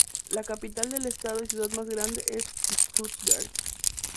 La capital del estado y ciudad más grande es Stuttgart.